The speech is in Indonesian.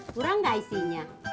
kurang gak isinya